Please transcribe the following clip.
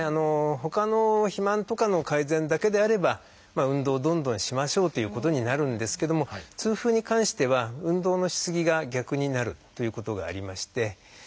ほかの肥満とかの改善だけであれば運動をどんどんしましょうということになるんですけども痛風に関しては運動のしすぎが逆になるということがありまして。